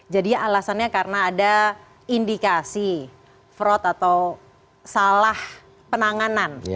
jadi alasannya karena ada indikasi fraud atau salah penanganan